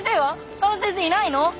他の先生いないの？